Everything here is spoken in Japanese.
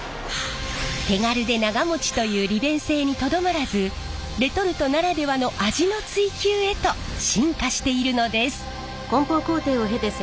手軽で長もちという利便性にとどまらずレトルトならではの味の追求へと進化しているのです。